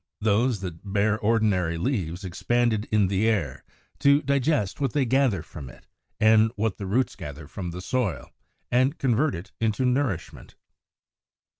Those that bear ordinary leaves expanded in the air, to digest what they gather from it and what the roots gather from the soil, and convert it into nourishment.